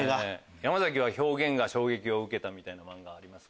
山崎は表現が衝撃を受けた漫画ありますか？